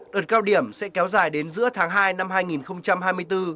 đợt cao điểm sẽ kéo dài đến giữa tháng hai năm hai nghìn hai mươi bốn